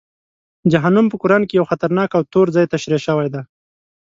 جهنم په قرآن کې یو خطرناک او توره ځای تشریح شوی دی.